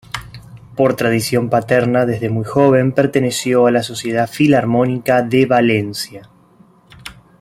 Por tradición paterna, desde muy joven perteneció a la Sociedad Filarmónica de Valencia.